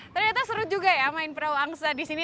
ternyata seru juga ya main perawangsa di sini